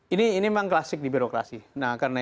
ini memang klasik di birokrasi nah karena